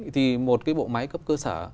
thì một cái bộ máy cấp cơ sở